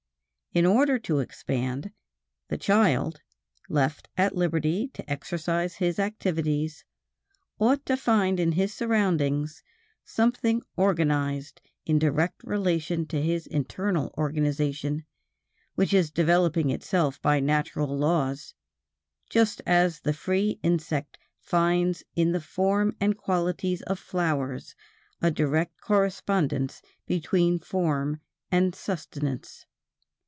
In order to expand, the child, left at liberty to exercise his activities, ought to find in his surroundings something organized in direct relation to his internal organization which is developing itself by natural laws, just as the free insect finds in the form and qualities of flowers a direct correspondence between form and sustenance.